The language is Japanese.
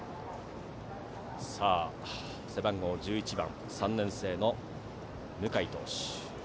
背番号１１番、３年生の向井投手。